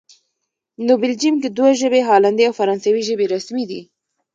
نو بلجیم کې دوه ژبې، هالندي او فرانسوي ژبې رسمي دي